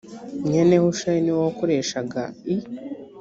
mwene hushayi ni we wakoreshaga i